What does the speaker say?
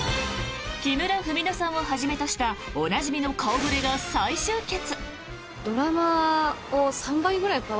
木村文乃さんをはじめとしたおなじみの顔触れが再集結。